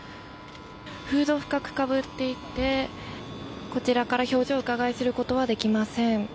フードを深くかぶっていてこちらから表情をうかがいしることはできません。